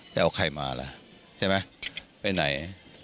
จะเอาใครมาล่ะใช่ไหมไปไหน